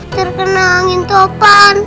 terkena angin topan